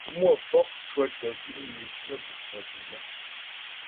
Mmwə̌pɔk cwətyə́ dzʉ' nè dzə̂ gə̀faə̀ dəm o.